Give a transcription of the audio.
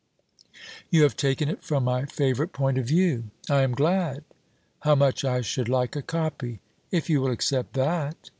'You have taken it from my favourite point of view.' 'I am glad.' 'How much I should like a copy!' 'If you will accept that?'